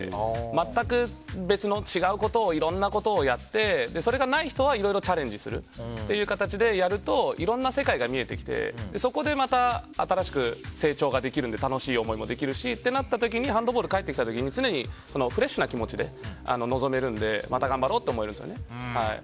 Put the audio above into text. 全く別の違うこといろんなことをやってそれがない人は、いろいろチャレンジする形でやるといろんな世界が見えてきてそこでまた新しく成長ができるので楽しい思いもできるしってなった時にハンドボールに帰ってくると常にフレッシュな気持ちで臨めるんで、また頑張ろうと思えるんですね。